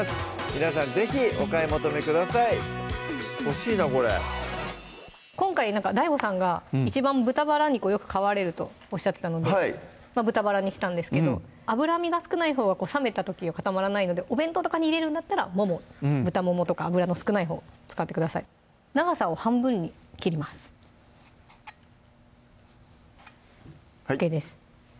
皆さん是非お買い求めください欲しいなこれ今回なんかＤＡＩＧＯさんが一番豚バラ肉をよく買われるとおっしゃってたので豚バラにしたんですけど脂身が少ないほうが冷めた時固まらないのでお弁当とかに入れるんだったらもも豚ももとか脂の少ないほう使ってください長さを半分に切りますＯＫです